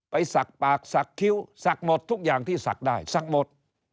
ไปสักปากสักคิ้วสักหมดทุกอย่างที่สักได้สักหมด